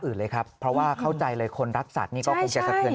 อื่นเลยครับเพราะว่าเข้าใจเลยคนรักสัตว์นี่ก็คงจะสะเทือน